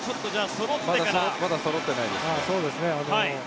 まだそろってないです。